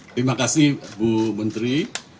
terima kasih bu menteri